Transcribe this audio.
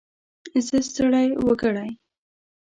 زه ستړی وګړی.